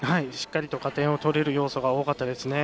しっかりと加点を取れる要素が多かったです。